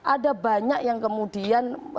ada banyak yang kemudian